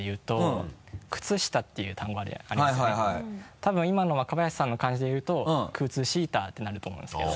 多分今の若林さんの感じで言うと「クツシタ」ってなると思うんですけど。